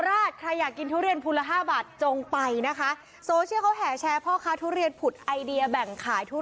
อ่ะยืนยัง